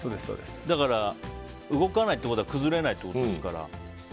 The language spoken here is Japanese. だから、動かないってことは崩れないってことですから。